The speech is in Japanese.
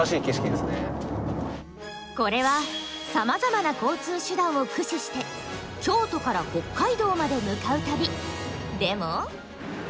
これはさまざまな交通手段を駆使して京都から北海道まで向かう旅。